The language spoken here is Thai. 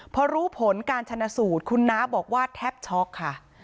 พอรู้ผลการชนะสูตรคุณน้าบอกว่าแทบช็อกค่ะ